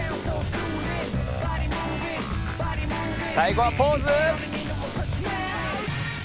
最後はポーズ！